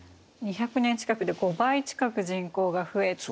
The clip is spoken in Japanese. ２００年近くで５倍近く人口が増えて。